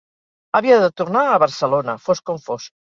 Havia de tornar a Barcelona, fos com fos.